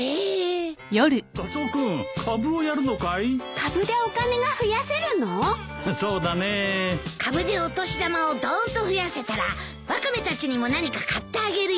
株でお年玉をどーんと増やせたらワカメたちにも何か買ってあげるよ。